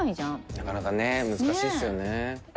なかなかね難しいですよね。